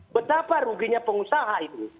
betapa ruginya pengusaha itu